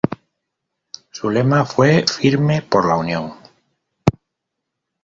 Su Lema fue "Firme por la Unión".